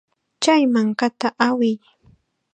Chay mankata awiy.